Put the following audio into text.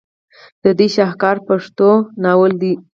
د دوي شاهکار پښتو ناول دے